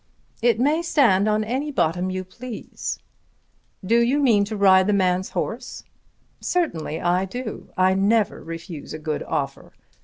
"It may stand on any bottom you please." "Do you mean to ride the man's horse?" "Certainly I do. I never refuse a good offer.